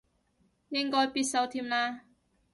應該必修添啦